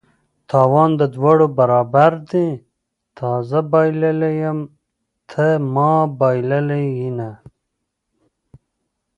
تاوان د دواړه برابر دي: تا زه بایللي یم ته ما بایلله ینه